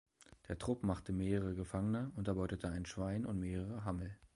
Der Trupp machte mehrere Gefangene und erbeutete ein Schwein und mehrere Hammel.